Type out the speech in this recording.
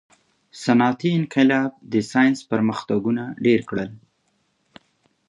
• صنعتي انقلاب د ساینس پرمختګونه ډېر کړل.